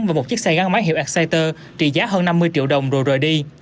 và một chiếc xe gắn máy hiệu exciter trị giá hơn năm mươi triệu đồng rồi rời đi